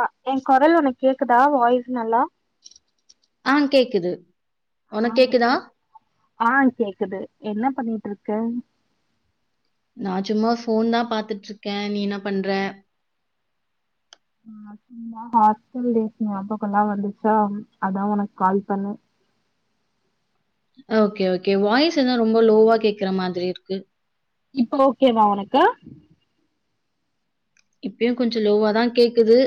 ஆஹ் என் கொரல் உனக்கு கேக்குதா வாய்ஸ் நல்லா ஆஹ் கேக்குது உனக்கு கேக்குதா? ஆஹ் ஆஹ் கேக்குது என்ன பண்ணிட்டு இருக்கு கேம் நான் சும்மா போன் தான் பார்த்துட்டு இருக்கேன் நீ என்ன பண்ற ஹ ஹாஸ்டல் ஞாபகமெல்லாம் வந்துச்சா அதான் உனக்கு கால் பண்ணு ஓகே ஓகே வாய்ஸ் என்ன ரொம்ப லோவா கேக்குற மாதிரி இருக்கு இப்ப ஓகேவ உனக்கு இப்பயும் கொஞ்சம் லோவாதான் கேக்குது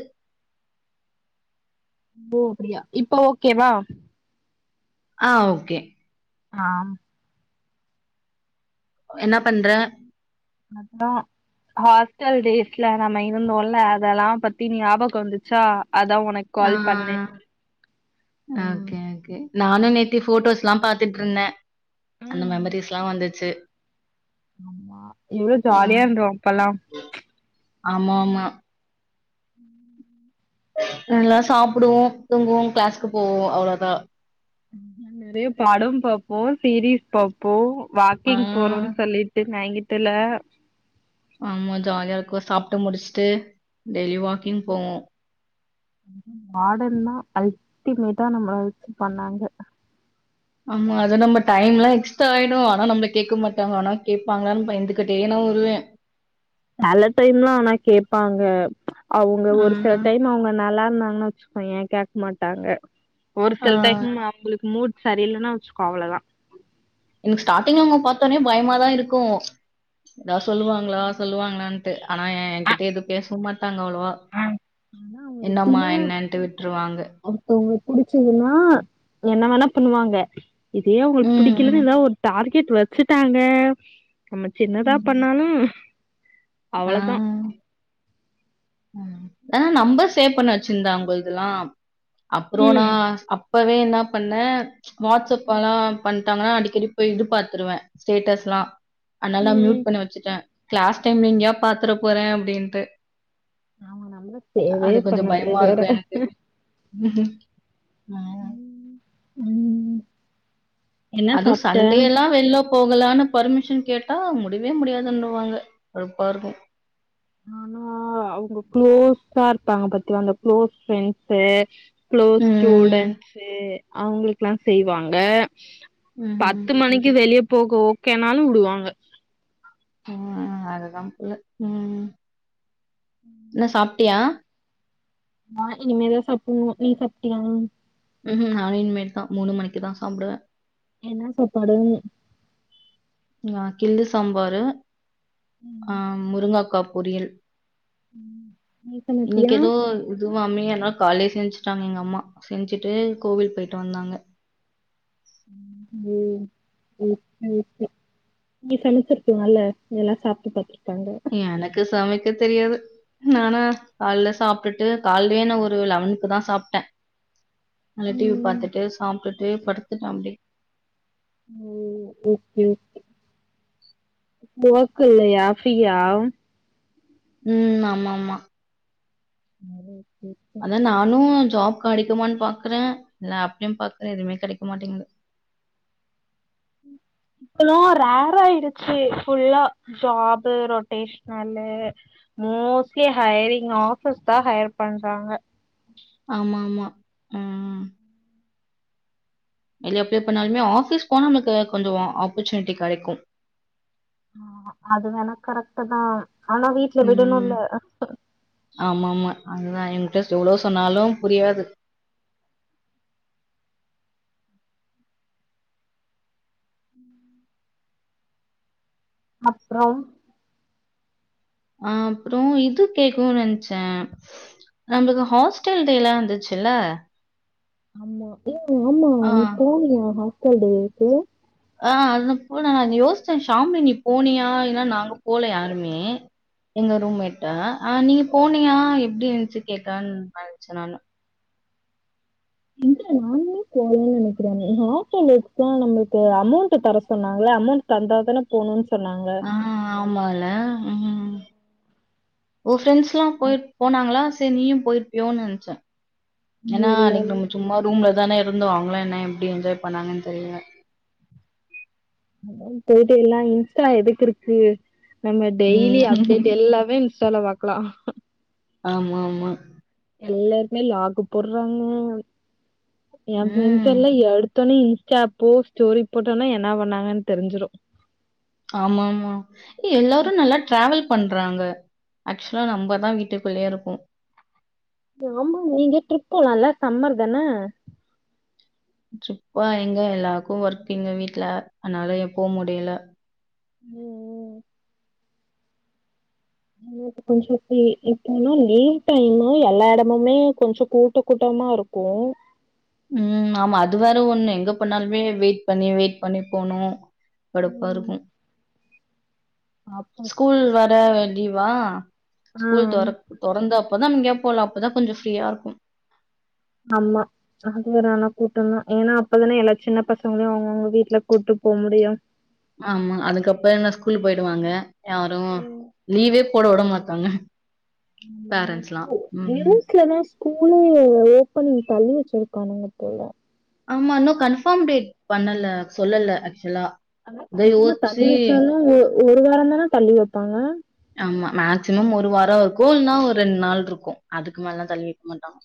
ஓ அப்டியா இப்ப ஓகேவா ஆஹ ஓகே ஆஹ் என்ன பண்ற அப்புறம் ஹாஸ்டல் டேஸ்ல நாம இருந்தோம்ல அதெல்லாம் பத்தி ஞாபகம் வந்துச்சா அதான் உனக்கு ஆ கால் பண்ணுனேன் உஹம் ஓகே, ஓகே. நானும் நேத்தி போட்டோஸ் எல்லாம் பாரத்துட்டு இருந்தேன் அந்த ம் மெமரிஸ் எல்லாம் வந்துச்சு ஆமா எவ்ளோ ஆ. ஜாலியா இருந்தோ அப்பல்லாம் ஆமா ஆமா நல்லா சாப்பிடுவோம் தூங்குவோம் கிளாஸ்க்கு போவோம் அவ்ளோதா நெறைய படம் பாப்போம் சீரீஸ் பாப்போம் ஆ. வாக்கிங் போறோன்னு சொல்லிட்டு நாங் தெர்ல ஆமா ஜாலியா இருக்கு சாப்டு முடிசிட்டு டெய்லி வாக்கிங் போவோம் வாடன் தா அல்டிமேட்டா நம்ம பண்ணாங்க ஆமா அது நம்ம டைம் எல்லா எக்ஸ்டா ஆயிடும் ஆனா நம்பள கேட்க மாட்டாங்க ஆனா கேட்பாங்ன்னு பயந்துகிட்டே நா வருவேன் நல்ல டைம்னா கேட்பாங்க அவுங்க ஆ, ஒரு சில டைம் அவங்க நல்லான அதன வச்சிக்வாங்க கேட்க மாட்டாங்க ஒரு ஆ சில டைம் அவங்ளுக் மூட் சரியில்லன்னா வச்சிக்கோ அவ்ளோ தான் எனக்கு ஸ்டார்ட்டிங்ல பாத்தோனே பயமாதா இருக்கும் எதா சொல்லுவாங்ளா சொல்லுவாங்ளா துட்டு ஆனா ஏ என்கிட்ட எது பேசவும் மாட் பத்தாங்க அவ்ளோவா ஆனா அவுங்க எப்டி என்னம்மா என்னன்ட்டு விட்டுருவாங்க புடிச்சிதுனா என்ன வேணா பண்ணுவாங்க இதே அவுங்களுக்கு ம், புடிக்கலன ம். எத ஒரு டார்க் கீட் வச்சிட்டாங்க நம்ம சின்னதா பண்ணாலும் ஆஹ்ஹ உம் நா நம்பர் சேவ் பண்ணி வச்சிருந்தன் அவங்களுதெல்லாம் அப்றோ ம் நா அப் இப்பவே என்ன பண்ண ம் வாட்ஸ்அப்லா பண் உட்டாங்னா அடிக்கடி போய் இது பாத்துருவேன் ஸ்டேட்டஸ்லா அதனால ம் ம். மியூட் பண்ணி வச்சிடன் கிளாஸ் டைம்ல எங்கயா பாத்ற போறே அப்படின்ட்டு ஆமா நம்மள தேவே பண்ணல இதுவர உஹம் உம் அதுவும் சன்டே எல்லா வெளியில போகலான்னு பர்மிஷன் கேட்டா முடிவே முடியாதுன்னுவாங்க கடுப்பா இருக்கும் ஆனா அவுங்க க்ளோஸா இருப்பாங்க பத்தியா அந்த க்ளோஸ் ஃப்ரண்ட்ஸு க்ளோஸ் ம். ஸ்டூடெண்ட்ஸ்சு அவங்களுக்குல்லா செய்வாங்க ம்ஹ்ம். பத்து மணிக்கு வெளிய போகோ ஓகேனாலு உடுவாங்க உம் அதுதாம் பொல உம் என்ன சாப் ப்ட்டியா ஆ இனிமேதா சாப்புண்ணு நீ சாப்ட்டியா ம்ஹும் நானு இனிமேட்தா மூணுமணிக்குதா சாப்பிடுவே என்னா சாப்பாடு ஆ கிள்ளு சாம்பாரு ஆஹ் முருங்கக்கா பொரியல் நீ சமைப்பியா இன்னைக்கு எதோ இதுவாமே எல்லா கால்யே செஞ்சுட்டாங்க எங்க அம்மா செஞ்சுட்டு கோவில் போயிட்டு வந்தாங்க [unintelligible] நீ சமச்சிருக்லால்ல எல்லா சாப்ட்டு பாத்து எனக்கு சமைக் கெ தெரியாது நானா கால்ல சாப்ட்டுட்டு கால்லே நா ஒரு லவனுக்கு தா சாப்ட்டே நல்லா டிவி ம் பாத்துட்டு சாப்டுட்டு படுத்துட்டே அப்டியே ம் ஓகே ஓகே ஒர்க் இல்லையா ஃப்ரீயா உம் ஆமாமா [unintelligible] அத நானு ஜாப் கெடைக்குமானு பாக்குற இல்ல அப்படியும் பாக்குறே எதுமே கெடைக்க மாட்டேங்குது இப்பல்லா ரேர் ஆயிருச்சு ஃபுல்லா job rotational mostly hiring office தா ஹையர் பண்றாங்க ஆமா ஆமா உம் உம் வெளிய அப்ளை பண்ணாலுமே ஆஃபீஸ் போனா நமளுக்கு கொஞ்சொ ஆப்பர்ச்சுனிட்டி கெடைக்கும் ஆமா அது வேணா கரெக்டு தா ஆனா வீட்ல ம். விடணுல்ல ஆமாமா அதுதா இன்ட்ரஸ்ட் எவ்ளோ சொன்னாலு புரியாது உம் [inaudible] அப்புறம் ஆ அப்றோ இது கேக்கனு நென்ச்சே அந்த ஹாஸ்டல் டேல்லா வந்துச்சுல்ல மா ஏ ஆமா நீ போனியா ஹாஸ் [unintelligible] ஆ அனுப்பு ந யோசிச்சே ஷாமி நி போனியா இல்லனா நாங்க போல யாருமே எங்க ரூம்மேட்டு ஆ நீ போனியா எப்டி இருந்துச்சு கேக்கலானு நெனச்சே நானு இல்ல நானுமே போவல நினைக்கிறேன் [unintelligible] நம்மளுக்கு அமௌண்ட் தர சொன்னாங்கள அமௌண்ட் தந்தா தான போணும்னு ஆஹ் ஆமால உம் உன் ஃபிரண்ஸ் ல்லாம் போயி போனாங்களா [unintelligible] நீயும் போயிருப்பியோனு நனச்சேன் ஏன்னா இல்ல அன்னைக்கு இல்ல நம்ம சும்மா ரூம்ல தானே ந்துவாங்களாம் என்ன எப்டி என்ஜாய் பண்ணாங்கன்னு தெரில அத போய்ட்டோம் எல்லாம் இன்ஸ்டா எதுக்கு இருக்கு நம்ம டெய்லி அப்டேட் ம் எல்லாமே செலவாக்கலாம் ஆமா மா எல்லாருமே லாக் போடுறாங்க என் ஃப்ரெண்ட்ஸ் ம் எல்லாம் எடுத்தோனே ப்ப ஸ்டோரி போட்டோம்னா என்ன பண்ணாங்கன்னு தெரிஞ்சிரும் ஆமா ஆமா எல்லாரும் நல்லா டிராவல் பண்றாங்க ஆக்சுவலா நம்மதான் வீட்டுக்குள்ளயே இருக்கோம் ஆமா நீங்க ட்ரிப் போலாம்ல்ல சம்மர் தான ட்ரிப்பா எங்க எல்லாருக்கும் ஒர்க்கிங் வீட்டுல அதனால எ போ முடில உம் உம் க்கு கொஞ்சம் இப்பனா லீவ் டைம்மா எல்லா இடமுமே கொஞ்சம் கூட்ட கூட்டமா இருக்கும் உம் ஆமா அது வேற ஒண்ணு எங்க போணாலுமே வெயிட் பண்ணி வெயிட் பண்ணி போனும் கடுப்பா ம் இருக்கும் அப்போ ஸ்கூல் வர வேண்டி வா ஆ ஸ்கூல் தொற தொறந்தப் அப்பதான் எங்கே போகலாம் அப்பதான் கொஞ்சம் ஃப்ரீயா இருக்கும் ஆமா அது வேற ஆனா கூட்டம் தான் ஏன்னா அப்பதானே எல்லா சின்ன பசங்களையும் அவங்கவுங்க வீட்டுல கூப்ட்டு போ முடியும் ஆமா அதுக்கப்புறம் என்ன ஸ்கூல் போயிடுவாங்க யாரும் லீவே போட உடமாட்டாங்க பேரண்ட்ஸ்லாம் உம் நியூஸ்லலா ஸ்கூலே ஓப்பனிங் தள்ளி வச்சிருக்கானுங்க போல ஆமா இன்னும் கன்பார்ம் டேட் பண்ணல சொல்லல ஆக்சுவலா. அதான் கண்ஃபாமா தள்ளி வச்சாலும் ஒரு வாரம்தான தள்ளி வைப்பாங்க ஆமா மேக்சிமம் ஒரு வாரம் இருக்கும் இல்லன்னா ஒரு ரெண்டு நாள் இருக்கும் அதுக்கு மேலல்லாம் தள்ளி வைக்க மாட்டாங்க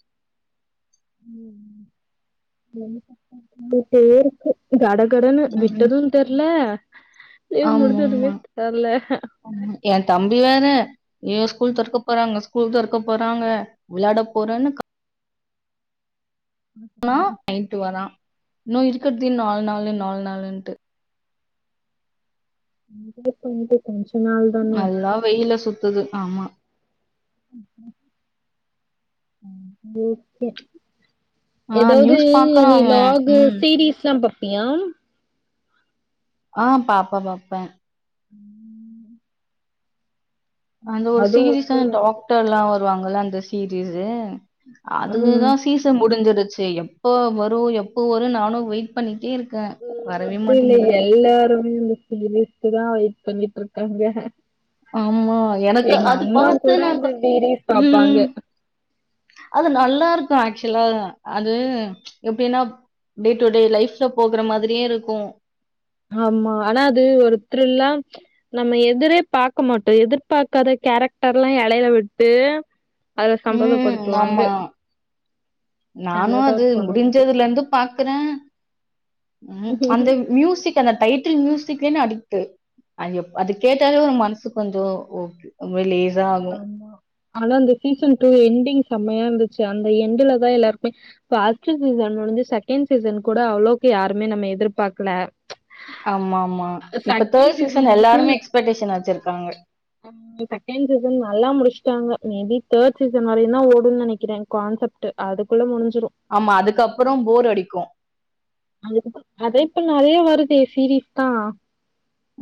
[unintelligible] கடன்னு ம். விட்டதும் தெர்ல லீவ் ஆமாமா முடிஞ்சதுமே தெர்ல என் தம்பி வேற ஐயோ ஸ்கூல் தொறக்க போறாங்க ஸ்கூல் தொறக்க போறாங்க விளையாட போறேன்னு கத் ஆனா நைட்டு வரான் இன்னும் இருக்கட் நாலு நாலு நாலு நாள்ன்ட்டு உ பஞ போ பஞச் [unintelligible] ச நல்லா வெய்யில சுத்தி சுத்துது ஆமா உம் கும் ம் ஓகே ஆ ஏதாவது நியூஸ் பார்க்குறான் நீ அவன். லாக் ம். சீரீஸ் எல்லாம் ப பியம் ஆ பாப்பேன் பாப்பேன் ம் அந்த ஒரு அதுவு சீரியஸான டாக்டர் எல்லாம் வ வாங்க அந்த சீரீஸ் ம் அதுதான் சீசன் முடிஞ்சறது ச்சே எப்ப வரும் எப்போ வரும் நானும் வெயிட் பண்ணிட்டே இருக்கேன் ஹ வரவே அப்ப இல்ல மாட்டேங்குது. எல்லாரும் இதுக்கு தான் வெயிட் பண்ணிட்டு இருக்காங்க ஆமா எனக்கு எங்க அது அம்மா பார்த்த கூட அந்த நான சீரீஸ் பாப்பாங்க ம் அது நல்லா இருக்கு ஆக்சுவலா அது எப்படின்னா டே டு டே லைஃப்ல போக்குற மாதிரியே இருக்கும் ஆமா ஆனா அது ஒரு திருல்லாம் நம்ம எதிரே பார்கக்க மாட்டோம் எதிர்பார்க்காத கேரக்டர் எல்லாம் இடையில விட்டு அதல ம். சம்மதப்படுத்துவாங்க ஆமா. நானும் அது முடிஞ்சதுல இருந்து பாக்குறேன் உம் அது. அந்த மியூசிக் அந்த டைட்டில் மியூசிக் அடிக்குது அது கேட்டாலே ஒரு மனசு கொஞ்சம் ஆகும். ஆமா ஆனா அந்த சீசன் டூ என்டிங் செம்மையா இருந்துச்சு அந்த எண்டல தான் எல்லாருக்குமே பஸ்ட்டு சீசன் முடிஞ்சு செகண்ட் சீசன் கூட அவ்ளவுக்கு யாருமே நம்ம எதிர்பார்க்கல ஆமா ஆமா இப்ப தேர்ட் செகண்ட் சீசன் வந்துட்டு எல்லாருமே எக்ஸ்பெக்டேஷன் வச்சிருக்காங்க செகண்ட் நல்லா முடிச்சிட்டாங்க மேபி தேர்ட் சீசன் வரையும் தான் ஓடும் நினைக்கிறேன் கான்செப்ட் அதுக்குள்ள முடிஞ் ஆமா அதுக்கப்புறம் போர் அடிக்கும் அது அத இப்ப நிறைய வருது சீரீஸ் தான்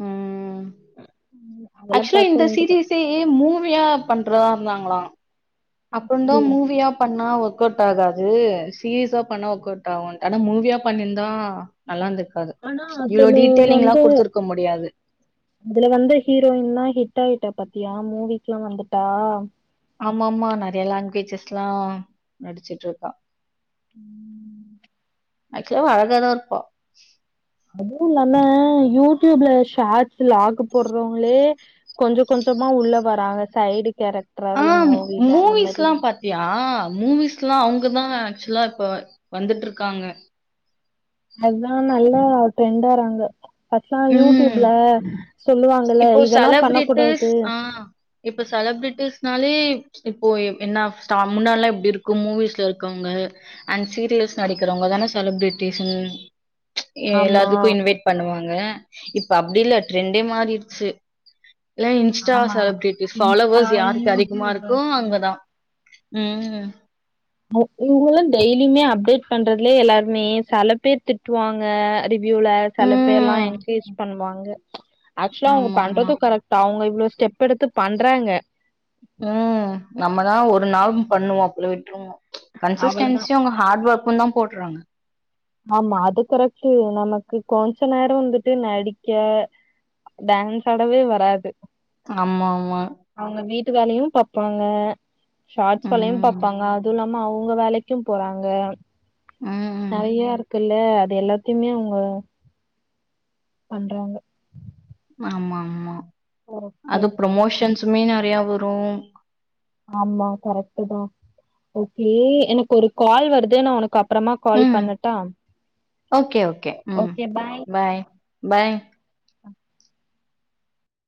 உம் [unintelligible] அதெல்லா ஆக்சுவலா பாக்க இந்த எனக்கு சீரீஸே மூவியா பண்றதா இருந்தாங்களா அப்புறம் தான் தெரியல. மூவியா பண்ணா போட்ட எதாவது சீரீஸா பண்ண ஒர்க்கவுட் படோ மூவியா பண்ணியிருந்தா நல்லா இருந்திருக்கு ஆனா அதுல வந்து முடியாது அதுல வந்து ஹீரோயின்லா ஹிட் ஆயிட்ட பாத்த யா மூவிக்கே வந்துட்டா ஆமா ஆமா நெறைய லாங்வேஜஸ்லா நடிச்சுட்டு இருக்கா உம் அச்சுவலா அழகதா இருப்ப அதுவு இல்லாம யூட் டியூப்ல ஷாட்ஸ் விளாக் போடுறவங்களே கொஞ்ச கொஞ்சமா உள்ள வராங்க சைடு ஆ கேரக்டரவே மூவில அந்த மாதிரி மூவிஸ் எல்லாம் அவங்கதான் ஆக்சுவலா இப்ப வந்துட்டு இருக்காங்க அதான் நல்லா ட்ரெண்டறாங்க அதா ம் யூடியூப்ல சொல்லுவாங்கல்ல இப்போ இதெல்லா பண்ணக் செலபிரிட்டிஸ் கூடாது னாலே இப்போ என்ன ஸ்டா முன்னால்லாம் எப்டி இருக்கும் மூவிஸ்ல இருக்கவங்க அண்ட் சீரியல்ஸ் நடிக்கிறவங்கதான செலிபிரிட்டிஸ்னு ஆமா எல்லாத்துக்கும் இன்வைட் பண்ணுவாங்க இப்ப அப்படி இல்ல ட்ரெண்டே மாறிடுச்சு எல்லா இன்ஸ்டா ஆமா செலிபிரிட்டிஸ் ஆ ஃபாலோவர்ஸ் யாருக்கு அதிகமா யூடியூபர் இருக்கோ அவங்கதா உம் அ இவங்களல்லா டெய்லியுமே அப்டேட் பண்றதுலே எல்லாருமே செல பேர் திட்டுவாங்க [unintelligible] வியூல செல பேர்லா ம் என்கரேஜ் பண்ணுவாங்க ஆக்சுவலா அவங்க ஆமா ஆமா பண்றதும் கரெக்ட் அவங்க இவ்வளோ ஸ்டெப் எடுத்து பண்றாங்க உம் நம்மதான் ஒரு நாள் பண்ணுவோம் அப்பறம் விட் [unintelligible] அவ்ளதா கன்சிஸ்டன்சியு உங்க ஹார்ட் ஒர்க்குந்தா போடுறாங்க ஆமா அது கரெக்ட்டு நமக்கு கொஞ்ச நேரம் வந்துட்டு நடிக்க டான்ஸ் ஆடவே வராது ஆமா ஆமா ட்டு வேலையும் பாப்பாங்க ஷார்ட்ஸ் பிலிம் ம் பாப்பாங்க அதுல்லாம ஆமா அவுங்க வேலைக்கு போறாங்க ம் நெறைய இருக்குல்ல அது எல்லாத்தையுமே அவுங்க பண்றாங்க ஆமா ஆமா ஓகே அது ப்ரொமோஷன்ஸ் நெறைய வரு ஆமா கரெக்ட்டு தா ஓகே எனக்கு ஒரு கால் வருது நா உனக்கு அப் ம் ஓகே ஓகே ம் பாய் பாய்